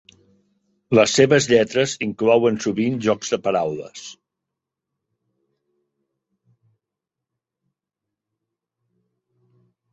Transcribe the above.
Les seves lletres inclouen sovint jocs de paraules.